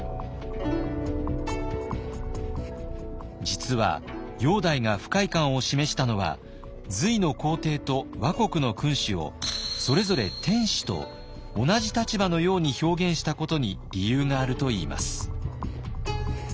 実は煬帝が不快感を示したのは隋の皇帝と倭国の君主をそれぞれ「天子」と同じ立場のように表現したことに理由があるといいます。